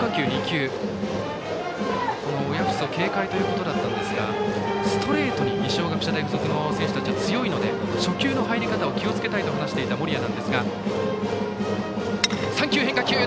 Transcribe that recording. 親富祖警戒ということですがストレートに二松学舎大付属の選手たちは強いので、初球の入り方を気をつけたいと話していた森谷。